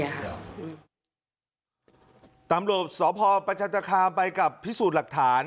ตำรวจสพประจันตคามไปกับพิสูจน์หลักฐาน